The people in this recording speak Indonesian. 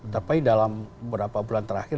tapi dalam beberapa bulan terakhir